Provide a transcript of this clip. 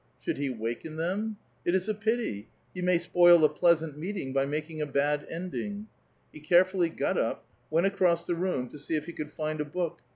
"Should he waken them? It is a pity; you may spoil a pleasant meeting by making a bad ending 1 " He carefully got up, went across the room to see if he could find a book.